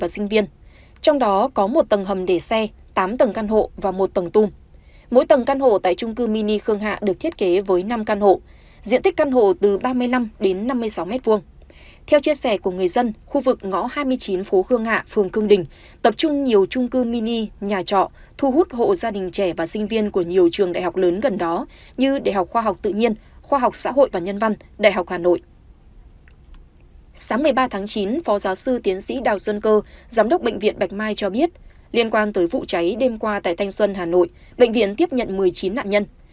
sáng một mươi ba tháng chín phó giáo sư tiến sĩ đào xuân cơ giám đốc bệnh viện bạch mai cho biết liên quan tới vụ cháy đêm qua tại thanh xuân hà nội bệnh viện tiếp nhận một mươi chín nạn nhân